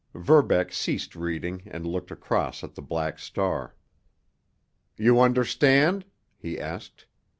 Verbeck ceased reading, and looked across at the Black Star. "You understand?" he asked.